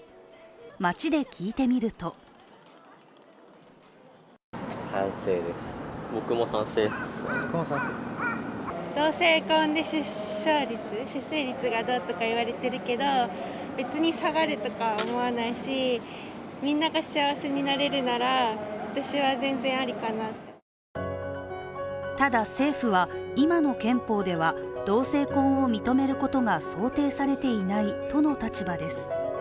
街で聞いてみるとただ政府は、今の憲法では同性婚を認めることが想定されていないとの立場です。